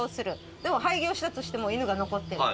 でも廃業したとしても犬が残ってる。